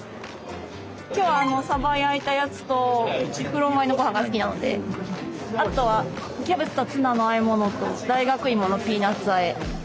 今日はさば焼いたやつと黒米のごはんが好きなのであとはキャベツとツナのあえ物と大学いものピーナッツあえ。